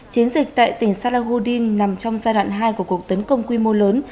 chiến dịch tại tỉnh salagodin nằm trong giai đoạn hai của cuộc tấn công quy mô lớn